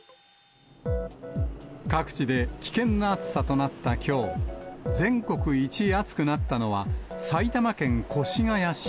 各地で危険な暑さとなったきょう、全国一暑くなったのは、埼玉県越谷市。